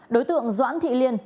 đối tượng doãn thị liên